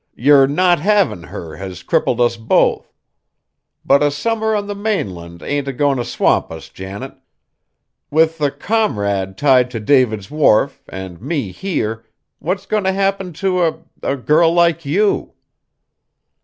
Yer not havin' her has crippled us both. But a summer on the mainland ain't a goin' t' swamp us, Janet. With the Comrade tied to David's wharf, an' me here, what's goin' t' happen to a a girl like you?"